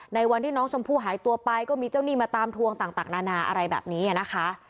ในวันที่น้องชมพู่หายตัวไปก็มีเจ้าหนี้มาตามทวงต่างนานาอะไรแบบนี้นะคะ